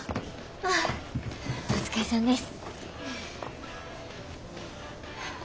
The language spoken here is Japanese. ああお疲れさんです。